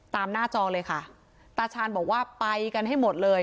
หน้าจอเลยค่ะตาชาญบอกว่าไปกันให้หมดเลย